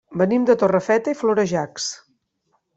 Venim de Torrefeta i Florejacs.